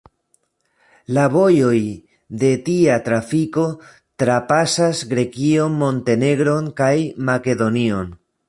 La vojoj de tia trafiko trapasas Grekion, Montenegron kaj Makedonion.